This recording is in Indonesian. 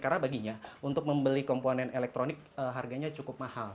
karena baginya untuk membeli komponen elektronik harganya cukup murah